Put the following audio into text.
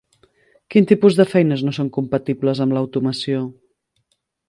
Quin tipus de feines no són compatibles amb l'automació?